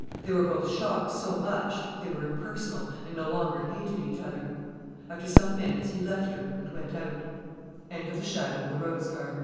They were both shocked so much, they were impersonal, and no longer hated each other. After some minutes he left her and went out. Goose Fair I Through the gloom of ev